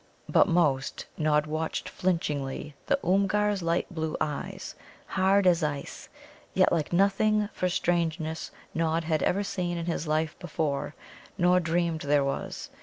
But most Nod watched flinchingly the Oomgar's light blue eyes, hard as ice, yet like nothing for strangeness Nod had ever seen in his life before, nor dreamed there was.